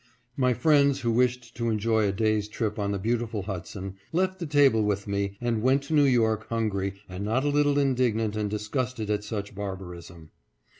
My friends, who wished to enjoy a day's trip on the beautiful Hudson, left the table with me, and went to 23 560 HUDSON RIVER STEAMBOAT ALIDA. New York hungry and not a little indignant and disgusted at such barbarism.